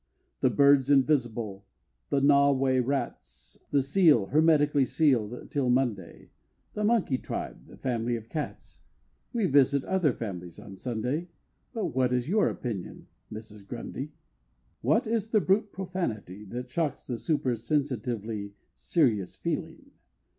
The Birds invisible the Gnaw way Rats The Seal hermetically seal'd till Monday The Monkey tribe the Family of Cats, We visit other families on Sunday But what is your opinion, Mrs. Grundy? What is the brute profanity that shocks The super sensitively serious feeling?